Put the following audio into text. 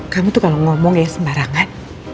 kamu tuh kalau ngomong ya sembarangan